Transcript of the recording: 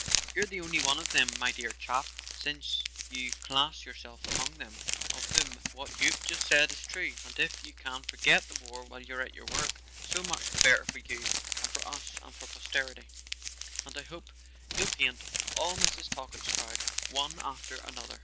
You're the only one of them, my dear chap, (since you class yourself among them) of whom what you've just said is true; and if you can forget the war while you're at your work, so much the better for you and for us and for posterity; and I hope you'll paint all Mrs. Talkett's crowd, one after another.